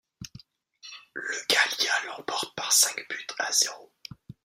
Le Gallia l'emporte par cinq buts à zéro.